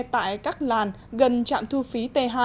tại các làn gần trạm thu phí t hai